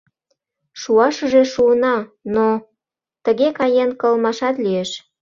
— Шуашыже шуына, но... тыге каен, кылмашат лиеш.